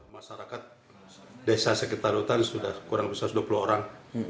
masyarakat desa sekitar hutan sudah kurang lebih satu ratus dua puluh orang